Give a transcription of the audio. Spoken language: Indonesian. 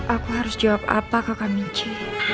aku harus jawab apa kakak minci